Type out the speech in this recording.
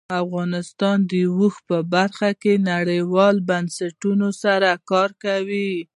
افغانستان د اوښ په برخه کې نړیوالو بنسټونو سره کار کوي.